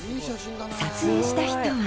撮影した人は。